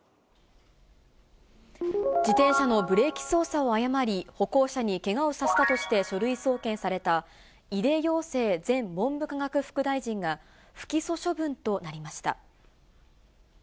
自転車のブレーキ操作を誤り、歩行者にけがをさせたとして書類送検された井出庸生前文科副大臣が不起訴処分となりました。